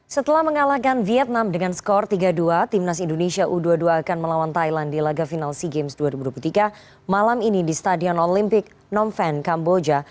setelah mengalahkan vietnam dengan skor tiga dua timnas indonesia u dua puluh dua akan melawan thailand di laga final sea games dua ribu dua puluh tiga malam ini di stadion olympic nompen kamboja